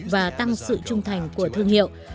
và tăng sự trung thành của thương hiệu